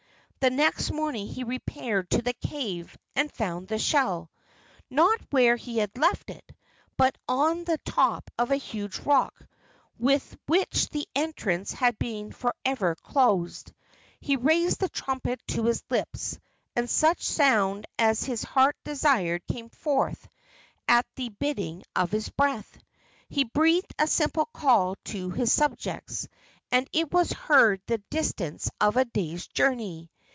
The next morning he repaired to the cave, and found the shell, not where he had left it, but on the top of a huge rock with which the entrance had been for ever closed. He raised the trumpet to his lips, and such sound as his heart desired came forth at the bidding of his breath. He breathed a simple call to his subjects, and it was heard the distance of a day's journey.